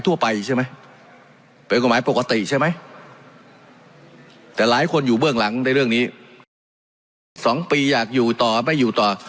แต่หลายคนอยู่เบื้องหลังในเรื่องนี้สองปีอยากอยู่ต่อไม่อยู่ต่อ